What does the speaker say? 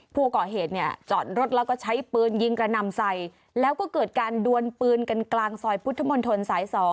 ผู้ก่อเหตุเนี่ยจอดรถแล้วก็ใช้ปืนยิงกระนำใส่แล้วก็เกิดการดวนปืนกันกลางซอยพุทธมนตรสาย๒